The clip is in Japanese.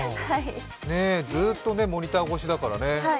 ずっとモニター越しだからね。